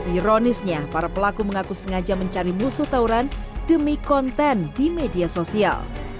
ironisnya para pelaku mengaku sengaja mencari musuh tawuran demi konten di media sosial